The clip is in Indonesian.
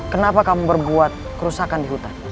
kenapa kamu berbuat kerusakan di hutan